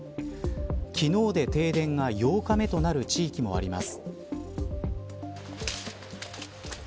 昨日で停電が８日目となる地域もあります。